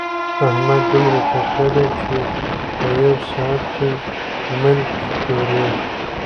احمد دومره تکړه دی چې په يوه ساعت کې ملک توري.